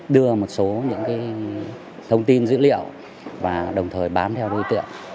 đưa một số những cái thông tin dữ liệu và đồng thời bán theo đối tượng